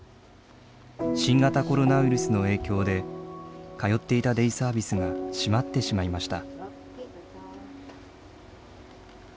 新型コロナウイルスの影響で通っていたデイサービスが閉まってしまいました。